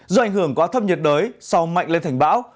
do ảnh hưởng quá thấp nhiệt đới sau mạnh lên thành bão